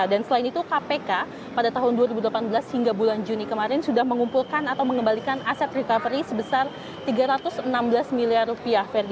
dan selain itu kpk pada tahun dua ribu delapan belas hingga bulan juni kemarin sudah mengumpulkan atau mengembalikan aset recovery sebesar rp tiga ratus enam belas miliar